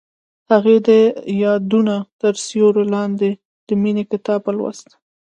هغې د یادونه تر سیوري لاندې د مینې کتاب ولوست.